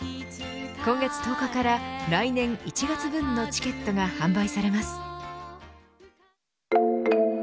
今月１０日から来年１月分のチケットが販売されます。